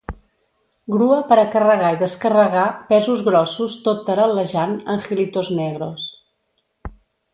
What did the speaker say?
Grua per a carregar i descarregar pesos grossos tot taral·lejant “Angelitos Negros”.